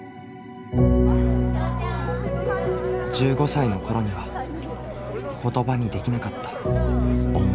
１５歳のころには言葉にできなかった思い。